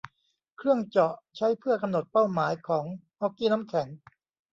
เครื่องเจาะใช้เพื่อกำหนดเป้าหมายของฮ็อกกี้น้ำแข็ง